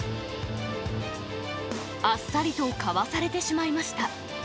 あっさりと交わされてしまいました。